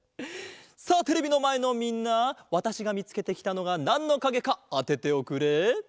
さあテレビのまえのみんなわたしがみつけてきたのがなんのかげかあてておくれ。